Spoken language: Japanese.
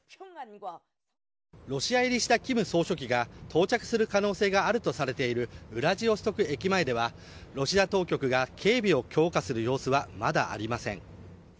ロシア入りしたキム総書記が、到着する可能性があるとされているウラジオストク駅前では、ロシア当局が警備を強化する様子はまだありません。